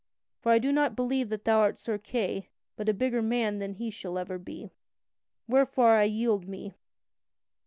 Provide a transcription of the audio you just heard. For I do not believe that thou art Sir Kay but a bigger man than he shall ever be. Wherefore I yield me."